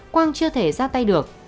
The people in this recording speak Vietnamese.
quang chưa thể ra tay được